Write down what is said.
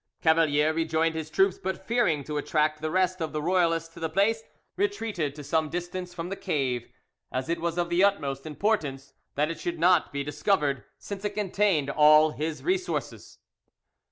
Cavalier rejoined his troops, but fearing to attract the rest of the royalists to the place,—retreated to some distance from the cave, as it was of the utmost importance that it should not be discovered, since it contained all his resources.